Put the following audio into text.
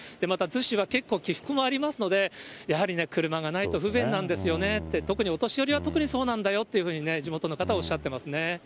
また逗子は結構、起伏もありますので、やはりね、車がないと不便なんですよねって、特にお年寄りは、特にそうなんだよって、地元の方、おっしゃっていますね。